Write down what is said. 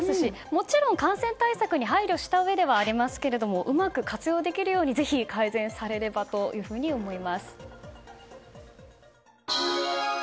もちろん感染対策に配慮したうえではありますがうまく活用できるようにぜひ改善されればと思います。